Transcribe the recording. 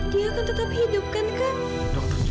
dia akan tetap hidupkan kan